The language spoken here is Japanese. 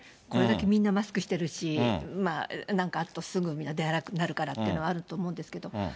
これだけみんなマスクしてるし、なんかあるとすぐに出歩かなくなるからっていうのはあるんですけど。